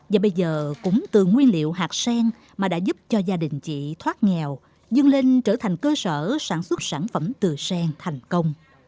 và bây giờ cũng từ nguyên liệu hạt sen mà đã giúp cho gia đình chị thoát nghèo dưng lên trở thành cơ sở sản xuất sản phẩm từ sen thành công